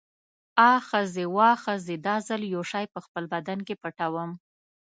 آ ښځې، واه ښځې، دا ځل یو شی په خپل بدن کې پټوم.